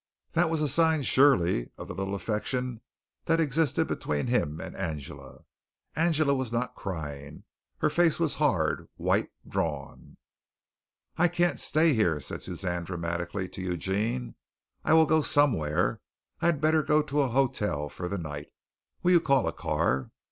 That was a sign surely of the little affection that existed between him and Angela. Angela was not crying. Her face was hard, white, drawn. "I can't stay here," said Suzanne dramatically to Eugene. "I will go somewhere. I had better go to a hotel for the night. Will you call a car?"